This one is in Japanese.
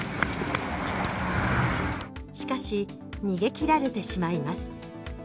しかし逃げ切られてしまいます。